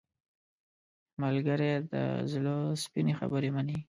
ملګری د زړه سپینې خبرې مني